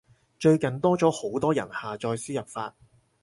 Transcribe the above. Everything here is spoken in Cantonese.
最近多咗好多人下載輸入法